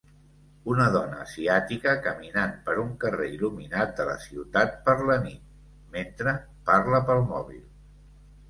Una dona asiàtica caminant per un carrer il·luminat de la ciutat per la nit, mentre parla pel mòbil.